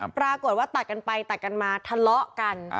ปรากฏว่าตัดกันไปตัดกันมาทะเลาะกัน